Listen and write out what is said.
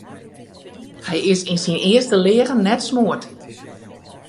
Hy is yn syn earste leagen net smoard.